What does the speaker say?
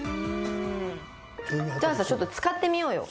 じゃあちょっと使ってみようよ。